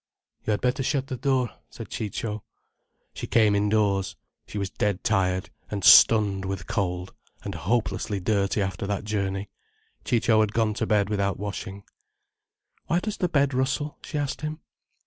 "You had better shut the door," said Ciccio. She came indoors. She was dead tired, and stunned with cold, and hopelessly dirty after that journey. Ciccio had gone to bed without washing. "Why does the bed rustle?" she asked him.